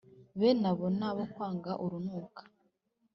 Bene abo ni abo kwangwa urunuka